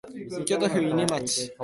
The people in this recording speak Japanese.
京都府伊根町